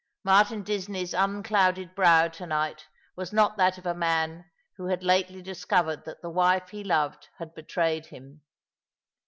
Martin Disney's unclouded brow to night was not that of a man who had lately discovered that the wife he loved had betrayed him.